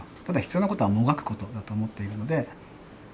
ただ必要なことはもがくことだと思っているので。